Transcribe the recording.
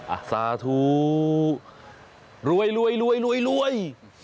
อัศธุรวย